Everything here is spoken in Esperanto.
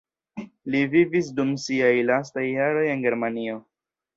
Li vivis dum siaj lastaj jaroj en Germanio.